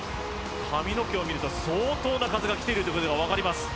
髪の毛を見ると相当な風がきているということが分かります